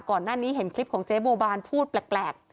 ก่อนหน้านี้เห็นคลิปของเจ๊บัวบานพูดแปลก